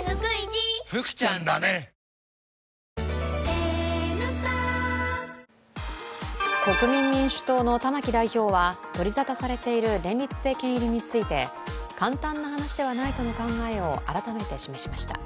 それがオンリーワンの「ＮＡＮＯＸｏｎｅ」国民民主党の玉木代表は取り沙汰されている連立政権入りについて簡単な話ではないとの考えを改めて示しました。